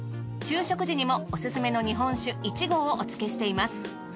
昼食時にもおすすめの日本酒１合をお付けしています。